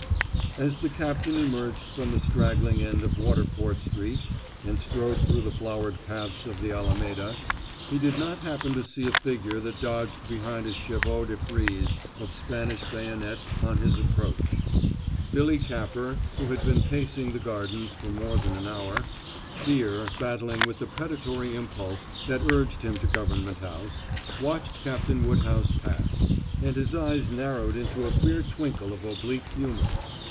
As the captain emerged from the straggling end of Waterport Street, and strode through the flowered paths of the Alameda, he did not happen to see a figure that dodged behind a chevaux de frise of Spanish bayonet on his approach. Billy Capper, who had been pacing the gardens for more than an hour, fear battling with the predatory impulse that urged him to Government House, watched Captain Woodhouse pass, and his eyes narrowed into a queer twinkle of oblique humor.